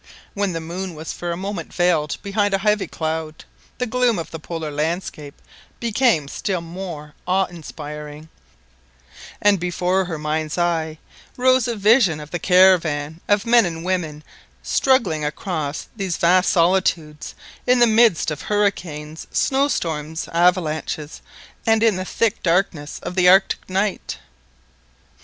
When the moon was for a moment veiled behind a heavy cloud, the gloom of the Polar landscape became still more awe inspiring, and before her mind's eye rose a vision of the caravan of men and women struggling across these vast solitudes in the midst of hurricanes, snow storms, avalanches, and in the thick darkness of the Arctic night!